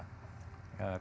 kalau itu bisa dilaksanakan